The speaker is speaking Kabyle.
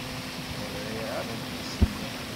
Ur ɣriɣ ara adlis-nni.